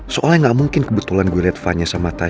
soalnya gak mungkin kebetulan gue liat fahnya sama tasya